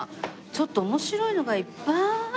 ちょっと面白いのがいっぱい！